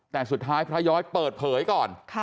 แต่สุดท้ายพระย้อยเปิดเผยก่อน